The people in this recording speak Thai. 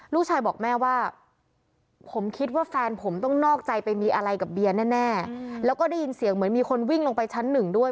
ลูกชายบอกแม่ว่าผมคิดว่าแฟนผมต้องนอกใจไปมีอะไรกับเบียร์แน่แล้วก็ได้ยินเสียงเหมือนมีคนวิ่งลงไปชั้นหนึ่งด้วย